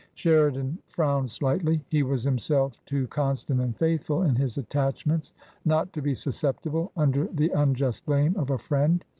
Sheridan frowned slightly. He was himself too con stant and &ithful in his attachments not to be susceptible under the unjust blame of a friend.